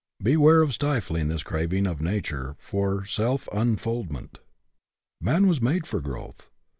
Beware of stifling this craving of nature for self unfoklment. Man was made for growth.